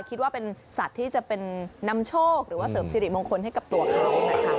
คิดว่าเป็นสัตว์ที่จะเป็นนำโชคหรือว่าเสริมสิริมงคลให้กับตัวเขานะคะ